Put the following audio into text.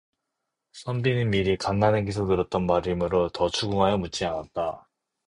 선비는 미리 간난에게서 들었던 말이므로 더 추궁 하여 묻지 않았다.